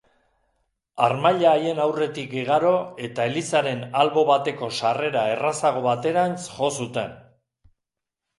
Harmaila haien aurretik igaro eta elizaren albo bateko sarrera errazago baterantz jo zuten.